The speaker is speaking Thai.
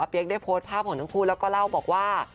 ได้โพสต์ภาพของทั้งคู่แล้วก็เล่าบอกว่า